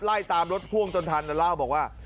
ไล่ตามรถพ่วงจนทันเล่าบอกว่า